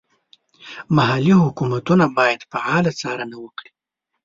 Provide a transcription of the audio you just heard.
محلي حکومتونه باید فعاله څارنه وکړي.